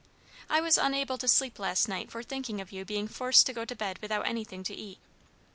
I was unable to sleep last night for thinking of you being forced to go to bed without anything to eat."